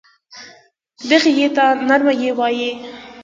دغې ی ته نرمه یې وايي.